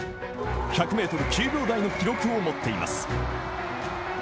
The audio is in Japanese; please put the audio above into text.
１００ｍ、９秒台の記録を持っています。